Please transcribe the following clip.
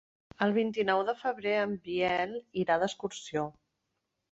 El vint-i-nou de febrer en Biel irà d'excursió.